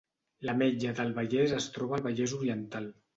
L’Ametlla del Vallès es troba al Vallès Oriental